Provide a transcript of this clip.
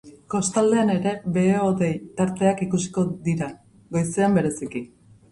Kostaldean ere behe-hodei tarteak nagusituko dira, goizean bereziki.